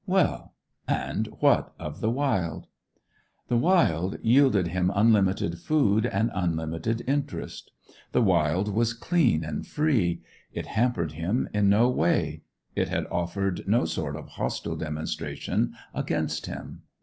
Well, and what of the wild? The wild yielded him unlimited food and unlimited interest. The wild was clean and free; it hampered him in no way; it had offered no sort of hostile demonstration against him.